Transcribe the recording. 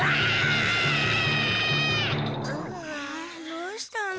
どうしたの？